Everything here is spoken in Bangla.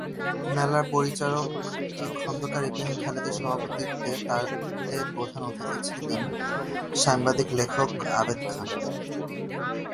মেলার পরিচালক খোন্দকার ইব্রাহিম খালেদের সভাপতিত্বে তাতে প্রধান অতিথি ছিলেন সাংবাদিক-লেখক আবেদ খান।